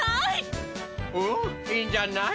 うんいいんじゃない？